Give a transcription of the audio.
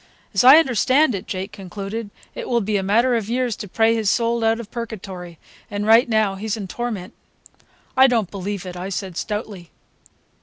"As I understand it," Jake concluded, "it will be a matter of years to pray his soul out of Purgatory, and right now he's in torment." "I don't believe it," I said stoutly.